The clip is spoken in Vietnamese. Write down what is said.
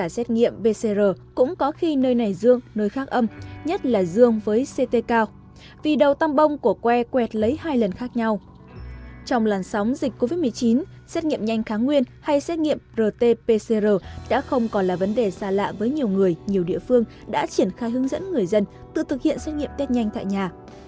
xét nghiệm nhanh kháng nguyên hay xét nghiệm rt pcr đã không còn là vấn đề xa lạ với nhiều người nhiều địa phương đã triển khai hướng dẫn người dân tự thực hiện xét nghiệm tết nhanh tại nhà